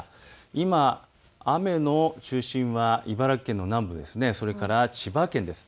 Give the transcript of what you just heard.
今、雨の中心は茨城県の南部、それから千葉県です。